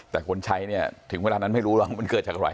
แต่คนใช้เนี่ยถึงเวลานั้นไม่รู้แล้วมันเกิดจากอะไร